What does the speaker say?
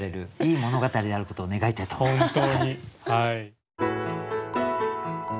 いい物語であることを願いたいと思います。